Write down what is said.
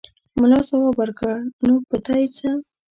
ملا ځواب ورکړ: نو په تا يې څه!